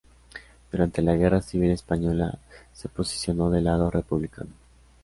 Durante la guerra civil española, se posicionó del lado republicano.